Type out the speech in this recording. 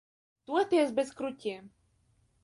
Toties bez kruķiem.